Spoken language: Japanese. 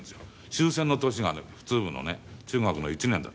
終戦の年がね普通部のね中学の１年だったの。